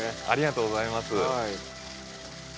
ありがとうございます。